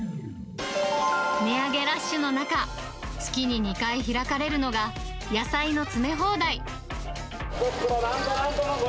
値上げラッシュの中、月に２回開かれるのが、野菜の詰め放題。